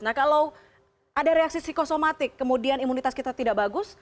nah kalau ada reaksi psikosomatik kemudian imunitas kita tidak bagus